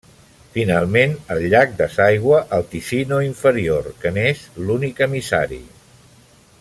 Finalment, el llac desaigua al Ticino inferior, que n'és l'únic emissari.